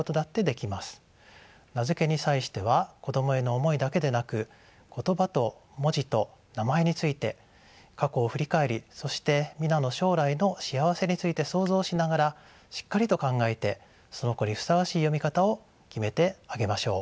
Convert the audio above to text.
名付けに際しては子供への思いだけでなく言葉と文字と名前について過去を振り返りそして皆の将来の幸せについて想像しながらしっかりと考えてその子にふさわしい読み方を決めてあげましょう。